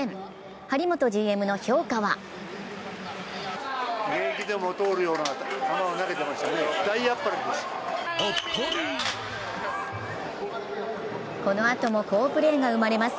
張本ＧＭの評価はこのあとも好プレーが生まれます。